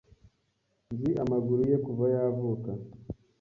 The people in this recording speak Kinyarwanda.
Nzi amaguru ye kuva yavuka.